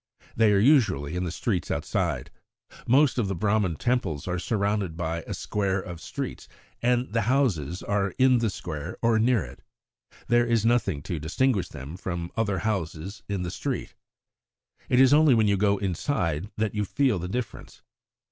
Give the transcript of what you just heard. They are usually in the streets outside. Most of the Brahman Temples are surrounded by a square of streets, and the houses are in the square or near it. There is nothing to distinguish them from other houses in the street. It is only when you go inside that you feel the difference.